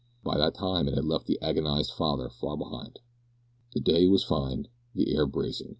By that time it had left the agonised father far behind. The day was fine; the air bracing.